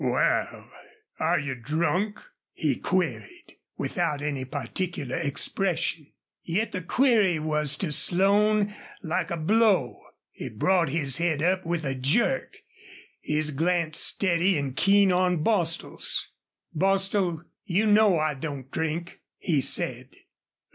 "Wal, are you drunk?" he queried, without any particular expression. Yet the query was to Slone like a blow. It brought his head up with a jerk, his glance steady and keen on Bostil's. "Bostil, you know I don't drink," he said.